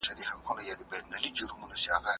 اسلام د روغتیا په اړه څه وایي؟